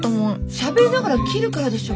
しゃべりながら切るからでしょ。